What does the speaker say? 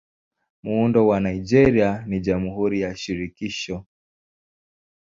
Muundo wa Nigeria ni Jamhuri ya Shirikisho.